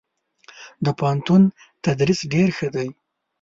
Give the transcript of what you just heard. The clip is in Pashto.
دپوهنتون تدريس ډير ښه دی.